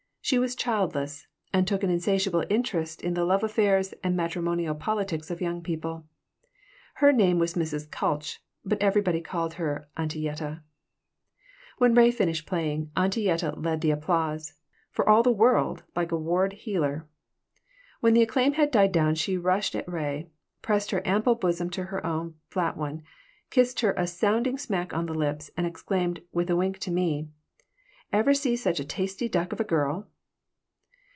She was childless and took an insatiable interest in the love affairs and matrimonial politics of young people. Her name was Mrs. Kalch, but everybody called her Auntie Yetta When Ray finished playing Auntie Yetta led the applause, for all the world like a ward heeler. When the acclaim had died down she rushed at Ray, pressed her ample bosom to her own flat one, kissed her a sounding smack on the lips, and exclaimed, with a wink to me: "Ever see such a tasty duck of a girl?"